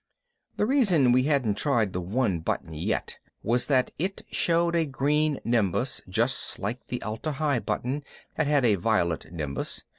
The reason we hadn't tried the one button yet was that it showed a green nimbus, just like the Atla Hi button had had a violet nimbus.